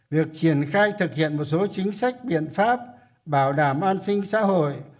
việc triển khai thực hiện một số chính sách biện pháp bảo đảm an sinh xã hội